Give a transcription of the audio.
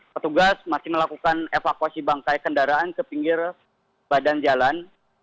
petugas masih melakukan evakuasi bangkai kendaraan ke pinggir badan jalan